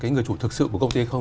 người chủ thực sự của công ty không